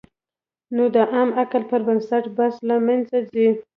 نو د عام عقل پر بنسټ بحث له منځه ځي.